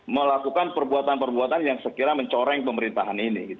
melakukan perbuatan perbuatan yang sekiranya mencoreng pemerintahan ini